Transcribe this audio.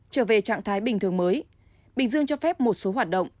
trở về trạng thái bình thường mới bình dương cho phép một số hoạt động